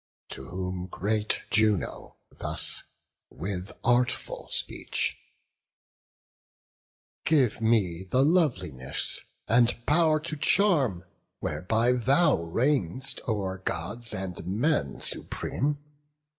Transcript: To whom great Juno thus, with artful speech: "Give me the loveliness, and pow'r to charm, Whereby thou reign'st o'er Gods and men supreme.